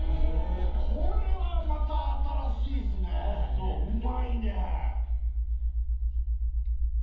これはまた新しいっすねうまいね。